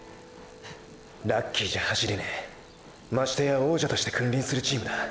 ラッキーじゃ走れねェましてや王者として君臨するチームだ。